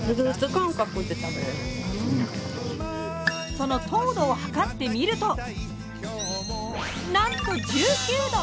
その糖度を測ってみるとなんと１９度。